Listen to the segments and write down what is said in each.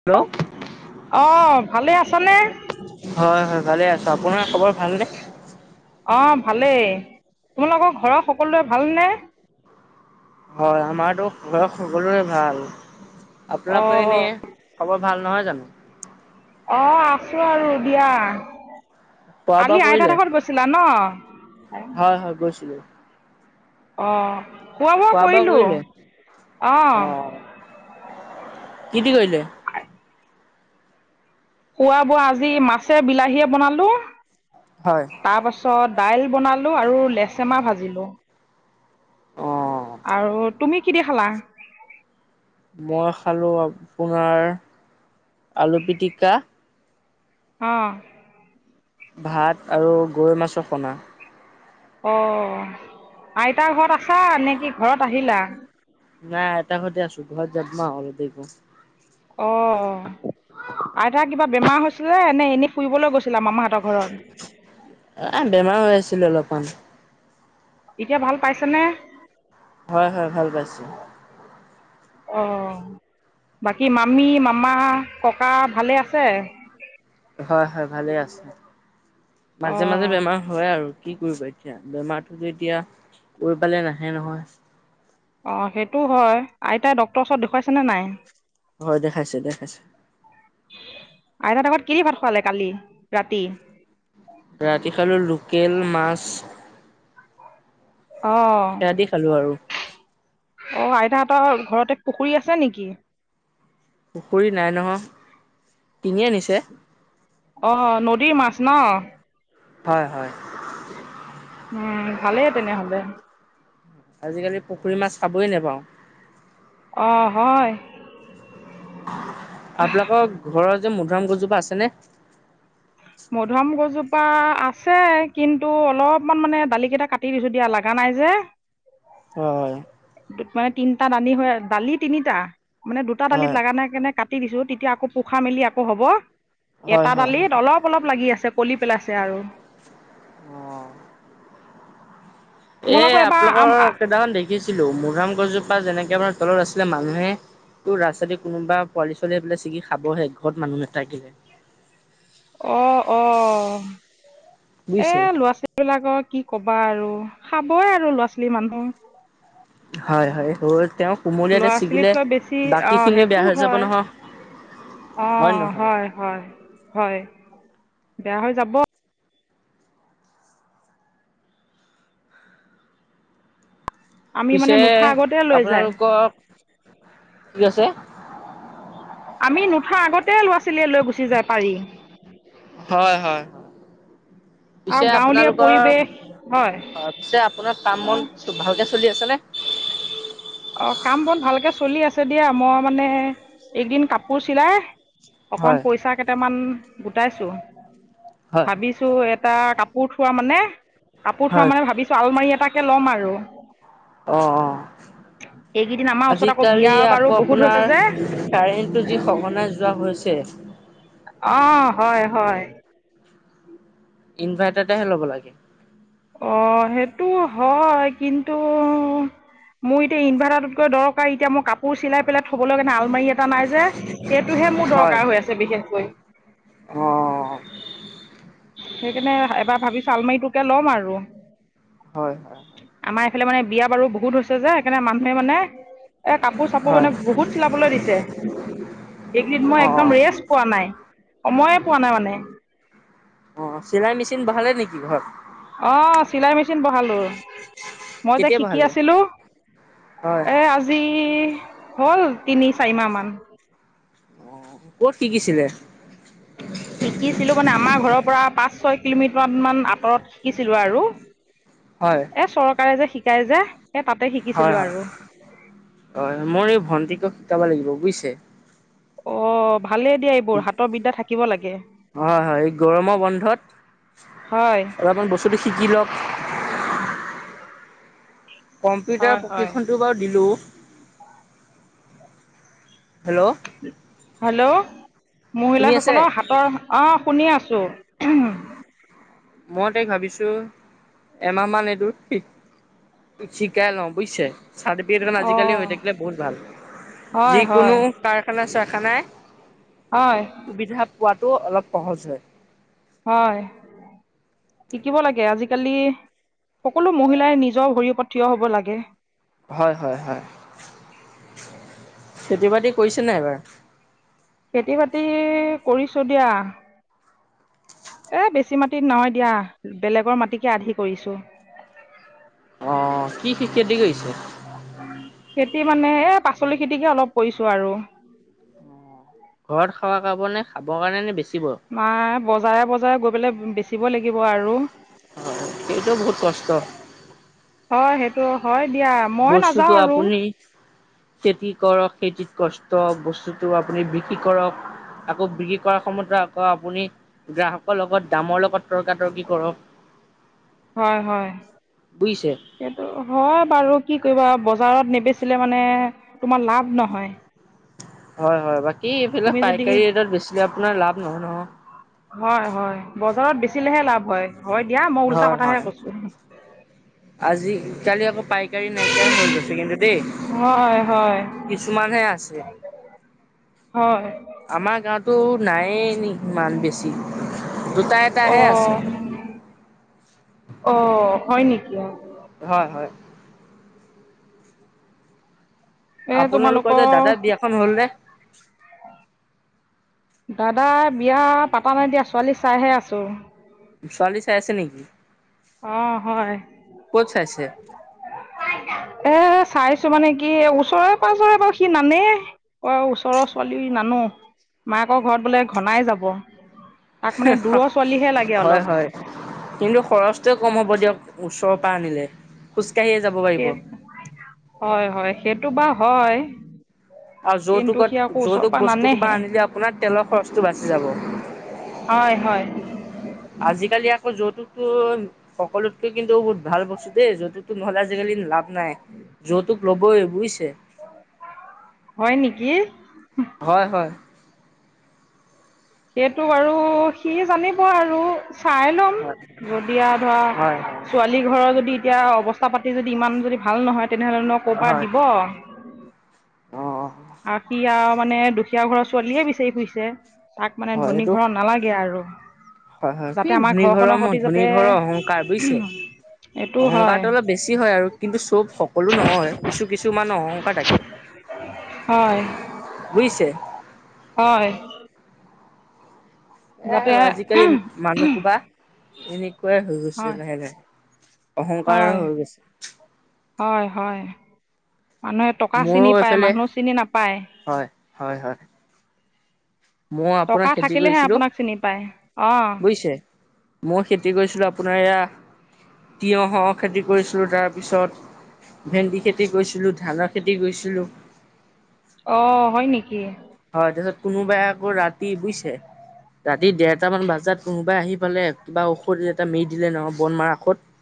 Hello. অ ভালে আছা নে? হয় হয় ভালে আছো, আপোনাৰ খবৰ ভালনে? অ ভালেই তোমালোকৰ ঘৰৰ সকলোৰে ভালনে? হয় আমাৰো সকলোৰে ভাল আপোনাকে এনে অঁ খ ভাল নহয় জানো? অ আছো আৰু দিয়া। খোৱা বোৱা আলি কৰিলে? আইতাতৰ ঘৰত গৈছিলা ন? হয় হয় গৈছিলো আহ খোৱা বোৱা কৰিলো অ আহ। কি দি কৰিলে? খোৱা বোৱা আজি মাছে বিলাহীয়ে বনালো, হয় তাৰপাছত দাইল বনালো আৰু লেচেমা ভাজিলোঁ। অ আৰু তুমি কি দি খালা? মই খালোঁ আপোনাৰ আলু পিটিকা। আহ ভাত আৰু গৰৈ মাছৰ খনা। অ আইতাৰ ঘৰত আছা নে কি ঘৰত আহিলা? নাই এটা ঘৰতে আছো, ঘৰত যমা [unintelligible] অ আইতা কিবা বেমাৰ হৈছিলে এ এনে ফুৰিবলৈ গৈছি এ বেমাৰ হৈ আছিলো অলপমান। এতিয়া ভাল পাইছে নে? হয় হয় ভাল পাইছে। অ। বাকী মামী মামা ককা ভালে আছে? হয় হয় ভালে আছে, মাজে মাজে অঁ বেমাৰ হয় আৰু। কি কৰিবা এতিয়া বেমাৰটো যে এতিয়া [unintelligible] পালে নাহে নহয় অ সেইটো হয় আইতাই ডক্তৰ ওচৰত দেখুৱাইছেনে নাই হয় দেখাইছে দেখাইছে আইতাহঁতৰ ঘৰত কি দি ভাত খোৱালে কালি ৰাতি ৰাতি খালো লোকেল মাছ সেৰা দি খালো আৰু অ আইতাহতৰ ঘৰতে পুখুৰী আছে নেকি পুখুৰী নাই নহয় টিঙে আনিছে অ নদীৰ মাছ ন হয় হয় উম ভালে তেনেহ'লে আজিকালি পুখুৰী মাছ খাবই নেপাওঁ অ হয় আপলোকৰ ঘৰৰ যে মধুুৰাম গছজোপা আছেনে মধুআম গছপ জোপা আছে কিন্তু অলপমান মানে দালি কেইটা কাটি দিছো দিয়া লগা নাই যে। হয় হয় মানে তিনটা দালি হয় দালি তিনিটা মানে দুটা দালিত হয় লগা নাই কেনে কাটি দিছো তেতিয়া আকৌ পোখা মেলি আকৌ হ'ব হয় এটা হয় দালিত অলপ অলপ লাগি আছে। পলি পেলাইছে আৰু অঁ এ তোমালোকৰ এবাৰ আম আপোনালোকৰ কেইটামান দেখি শিকিছিলো মধুআম গছজোপা যেনেকে মাৰ তলত আছিলে মানুহে তোৰ ৰাস্তা কোনোবা পোৱালি ছোৱালি পেলাই ছিগি খাবহে ঘৰত মানুহ নেথাকিলে অ অ এ বুজিছে ল'ৰা ছোৱালী বিলাকৰ কি ক'ব বা আৰু খাবই আৰু ল'ৰা ছোৱালী মানুহ হয় হয় তেওঁ কোমলীয়াতে ল'ৰা ছিগিলে ছোৱালীতকৈ বেছি বাকীখিনিও বেয়া হৈ যাব নহয় অ হয় হয় হয় বেয়া হৈ যাব আমি মানে পিছে নুঠা আগতে লৈ যায় আপোনালোকৰ কি আছে আমি নুঠা আগতে ল'ৰা ছোৱালীয়ে লৈ গুচি যায় পাৰি। উ আৰু পিছে গাঁৱলীয়া আপোনালোকৰ পৰিৱেশ হয় পিছে আপোনাৰ কাম বন ভালকে চলি আছে নে অ কাম বন ভালকে চলি আছে দিয়া মই মানে এদিন কাপোৰ চিলাই অকন হয় পইচা কেইটামান গোটাইছো। হয় ভাবিছো এটা কাপোৰ থোৱা মানে কাপোৰ থোৱা হয় মানে ভাবিছো আলমাৰি এটাকে ল'ম আৰু অঁ এইকেইদিন আমাৰ অঁ ওচৰত আকৌ আজিকালি বিয়া বাৰু আকৌ বহুত হৈছে আপোনাৰ যে কাৰেণ্টটো যি সঘনাই যোৱা হৈছে। অ হয় হয় ইনভাৰ্টাৰ এটাহে ল'ব লাগে অ সেইটো হয় কিন্তু মোৰ এতিয়া ইনভাৰ্টাৰটোতকৈ দৰকাৰ এতিয়া মই কাপোৰ চিলাই পেলাই থবলৈ আলমাৰি এটা নাই যে সেইটোহে মোৰ হয় দৰকাৰ হৈ আছে বিশেষকৈ। অ সেইকাৰণে এবাৰ ভাবি চালমাৰিটোকে ল'ম আৰু হয় হয় আমাৰ এফালে মানে বিয়া বাৰু বহুত হৈছে যে সেইকাৰণে মানুহে মানে এ কাপোৰ চাপোৰ হয় মানে বহুত চিলাবলৈ দিছে এইকেইদিন মই অ অ একদম ৰেষ্ট পোৱা নাই। সময়ে পোৱা নাই মানে। অ চিলাই মেচিন ভৱালে নেকি ঘৰত? অ চিলাই মেচিন বহালো মই যে কেতিয়া শিকি বহালে আছিলো হয় এ আজি হ'ল তিনি চাৰি মাহ মান অ কত শিকিছিলে শিকিছিলো মানে আমাৰ ঘৰৰ পৰা পাঁচ ছয় কিলোমিটাৰ মান আঁতৰত শিকিছিলো আৰু হয়, এ চৰকাৰে যে শিকায় যে এ তাতে শিকিছিলো হয় হয় আৰু হয় মোৰ এই ভন্টিক শিকাব লাগিব বুজিছে অ ভালেই দিয়া এইবোৰ হাতৰ বিদা থাকিব লাগে হয় হয় এই গৰমৰ বন্ধত হয় অলপমান বস্তুটো শিকি লওক [inaudible] কম্পিউটাৰ হয় হয় প্ৰশিক্ষণটো বাৰু দিলোঁ হেল্ল' হেল্ল' শুনি আছে? মহিলাসকলৰ হাতৰ অ শুনি আছো। চ মই ত ভাবিছো এমাহ মান এদোৰ শিকাই লওঁ বুজিছে চাৰ্টিফিকেটখন অ আজিকালি হৈ থাকিলে বহুত ভাল হয় যিকোনো হয় কাৰখানা চাৰখানাই হয় সুবিধা পোৱাটো অলপ সঁহজ হয়। হয় শিকিব লাগে আজিকালি। সকলো মহিলাই নিজৰ ভৰি ওপৰত থিয় হব লাগে হয় হয় হয়। খেতি বাতি কৰিছে নাই এবাৰ। খেতি বাতি কৰিছো দিয়া। এ বেছি মাটিত নহয় দিয়া বেলেগৰ মাটিকে আধি কৰিছো। অ কি খেতি কৰিছে খেতি মানে এ পাচলি খেতিকে অলপ কৰিছো আৰু। অ', ঘৰত খাবা খাব নে খাবৰ কাৰণে নে বেছি। মাই বজাৰে বজাৰে গৈ পেলাই বেচিব লাগিব আৰু। অ এইটো বহুত কষ্ট। হয় সেইটো হয় দিয়া মই বস্তুটো নাযাওঁ আৰু। আপুনি খেতি কৰক খেতিত কষ্ট বস্তুটো আপুনি বিক্ৰী কৰক। আকৌ বিক্ৰী কৰাৰ সময়ত আকৌ আপুনি গ্ৰাহকৰ লগত দামৰ লগত তৰ্কাতৰ্কি কৰক। উ হয় হয় সেইটো হয় বাৰু। কি কৰিবা বজাৰত নেবেচিলে মানে তোমাৰ লাভ নহয় হয় হয় বাকী এইফিলাক তুমি যদি পাইকাৰী ৰেটত বেছে আপোনাৰ লাভ নহয় নহ। হয় হয় বজাৰত বেচিলেহে লাভ হয়। হয় দিয়া মই উল্টা হয় হয় কথাহে কৈছো। আজিকালি আকৌ পাইকাৰী নাইকিয়া হৈ হয় গৈছে হয় কিন্তু দেই। কিছুমানহে আছে। হয়। আমাৰ গাঁওতো নাই এনে। ইমান বেছি দুটা এটাহে আছে। অ হয় নেকি? হয় হয়। এই আপোনালোকৰ যে তোমালোকৰ দাদাৰ বিয়াখন হল নে। দাদা বিয়া পাতা নাই দিয়া ছোৱালী চাইহে আছো। ছোৱালি চাই আছে নেকি? অ হয় ক'ত চাইছে? চাইছো মানে কি ওচৰে পাজৰে বাৰু সি নানে অ ওচৰৰ ছোৱালী নানো। মাকৰ ঘৰত বোলে ঘনাই যাব তাক মানে দূৰৰ ছোৱালীহে লাগে অলপ খৰচ টোৱে কম হ'ব দিয়ক ওচৰৰ পৰা আনিল খোজঢ় স হয় হয় সেইটো বা হয় আৰু কিন্তু যৌতুকত সি আকৌ ওচৰৰ যৌতুক পৰা বস্তু কিব নানেহে আনিলে আপোনাৰ তেলৰ খৰচটো বাচি যাব হয় হয় আজিকালি আকৌ যৌতুকতো সকলোতকে কিন্তু বহুত ভাল বস্তু দেই যৌতুকতটো নহ'লে আজিকালি লাভ নাই যৌতুক ল'বই বুজিছ হয় নেকি হয় হয়। সেইটো বাৰু সি জানিব আৰু চাই ল'ম হয় যদিয়া ধৰা হয় হয়। ছোৱালী ঘৰৰ যদি এতিয়া অৱস্থা পাতি যদি ইমান যদি ভাল নহয় তেনেহলেন ক'ৰ পৰা হয়। দিব অ' আকি আৰু মানে দুখীয়া ঘৰৰ ছোৱালীয়ে বিচাৰি ফুৰিছে তাক মানে হয় ধনী এইটো ঘৰত নালাগে আৰু হয় হয় কি যাতে আমাৰ ধুনী ঘৰৰ ঘৰখনৰ ম সতি ধনী যাতে ঘৰৰ অহংকাৰ বুজিছে এইটো হয় অহংকাৰটো অলপ বেছি হয় আৰু কিন্তু চব সকলো নহয় কিছু কিছুমান অহংকাৰ থাকে হয় বুজিছে হয় এ আৰু আজিকালি যাতে মানুহ ঘোবা এনেকুৱাই হৈ গৈছে হয় লাহে লাহে অহংকাৰ হয় হৈ গৈছে হয় হয় মানুহে টকা মোৰো চিনি পায় এইফালে মানুহ চিনি নাপায় হয় হয় হয় মই আপোনাৰ টকা খেতি থাকিলেহে কৰিছিলো আপোনাক চিনি পায় অঁ বুজিছে মই খেতি কৰিছিলো আপ আপোনাৰ এয়া তিয়হ খেতি কৰিছিলোঁ তাৰপিছত ভেন্দি খেতি কৰিছিলোঁ ধানৰ খেতি কৰিছিলোঁ অ হয় নেকি হয় তাৰপিছত কোনোবাই আকৌ ৰাতি বুইছে ৰাতি দেৰটামান বজাত কোনোবাই আহি পালে কিবা ঔষধ এটা মেল দিলে নহয় বন মাৰ ঔষধ [inaudible]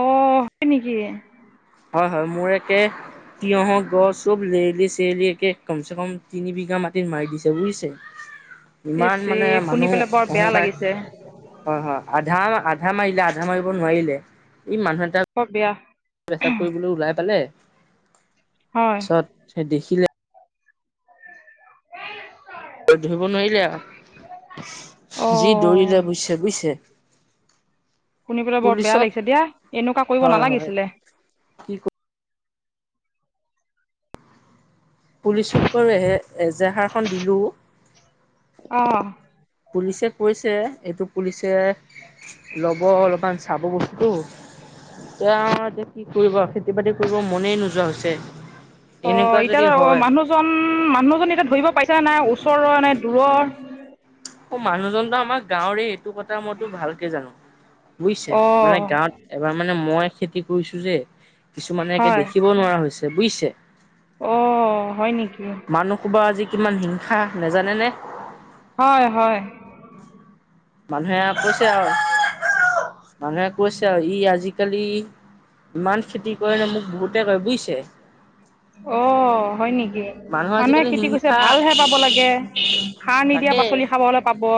অ হয় নেকি হয় হয় মোৰ একে তিয়হৰ গছ চব লেৰেলি চেৰেলি একে কমচে কম তিনি বিঘা মাটিত মাৰি দিছে বুজিছে ইচ ইমান মানে এই শুনি মানুহ পেলাই বৰ বেয়া অহংকাৰ লাগিছে হয় হয় আধা আধা মাৰিলে আধা মাৰিব নোৱাৰিলে ই মানুহ এটা বৰ বেয়া পেচাপ কৰিবলৈ ওলাই পালে তাৰ হয় পিছত সেই দেখিলে ধৰিব নোৱাৰিলে যি অঁ দৌৰিলে বুইছে বুইছে শুনি পেলাই বৰ বেয়া লাগিছে দিয়া এনেকুৱা কৰিব হয় হয় নালাগিছিলে কি ক পুলিচক বাৰ এ এজাহাৰখন দিলো অ পুলিচে কৈছে এইটো পুলিচে ল'ব অলপমান চাবত এ এতিয়া কি কৰিব খেতি বাতি কৰিব মনেই নোযোৱা হৈছে অ এনেকুৱা যদি এতিয়া অ হয় মানুহজন মানুহজন এতিয়া ধৰিব পাইছা নাই ওচৰৰ মানে দূৰৰ অ মানুহজনত আমাৰ গাঁৱৰে এইটো কথা মইতো ভালকে জানো বুজিছে অঁ মানে গাঁৱত এবাৰ মানে মই খেতি কৰিছো যে কিছুমানে দেখিব নোৱাৰা হৈছে বুইছে অ হয় নেকি মানুহো বা আজি কিমান হিংসা নাজানে নে হয় হয় মানুহে কৈছে আৰু মানুহে কৈছে আৰু ই আজিকালি ইমান খেতি কৰেনে মোক বহুতে কয় বুজিছে অ হয় নেকি মানুহ মানুহে আজিকালি খেতি কৰিছে হিংসা ভালহে পাব লাগে সাৰ নিদিয়া তাকে পাচলি খাব হলে পাব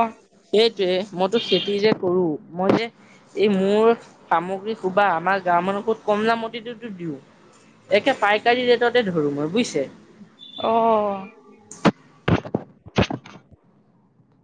সেইটোৱে মইতো খেতি যে কৰো মই যে এই মোৰ সামগ্ৰী খোবা আমাৰ গাঁৱৰ মানুহ কত কম দামতিটোতো দিওঁ [unintelligible] একে পাইকাৰী ৰেটতে ধৰোঁ মই বুজিছে অ